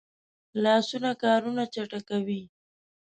لاسونه کارونه چټکوي